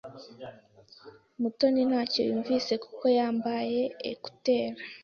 Mutoni ntacyo yumvise kuko yambaye ekuteri .